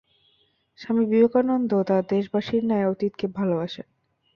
স্বামী বিবেকানন্দ তাঁহার দেশবাসীর ন্যায় অতীতকে ভালবাসেন।